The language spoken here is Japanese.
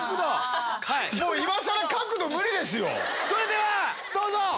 それではどうぞ！